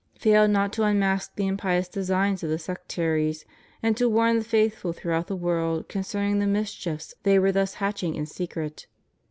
failed not to unmask the impious designs of the sectaries, and to warn the faithful throughout the world concerning the mischiefs they were thus hatching in secret.